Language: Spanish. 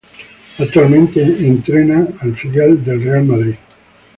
Actualmente entrena al filial del Real Madrid.